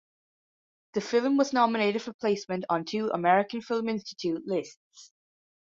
The film was nominated for placement on two American Film Institute lists.